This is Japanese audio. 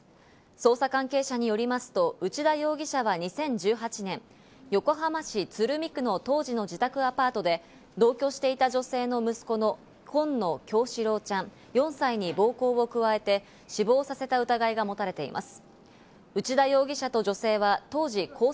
捜査関係者によりますと内田容疑者は２０１８年、横浜市鶴見区の当時の自宅アパートで同居していた女性の息子の紺野叶志郎ちゃん４歳に暴行を加えて死亡させた疑いがもたれています。